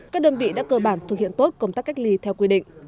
các đơn vị đã cơ bản thực hiện tốt công tác cách ly theo quy định